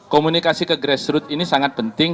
komunikasi ke grassroot ini sangat penting